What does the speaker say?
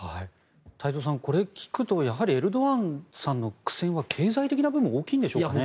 太蔵さんこれを聞くとやはりエルドアンさんの苦戦は経済的な部分が大きいんでしょうかね。